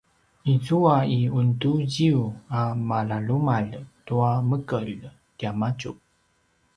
izua i unduziyu a malalumalj tua mekelj tiamadju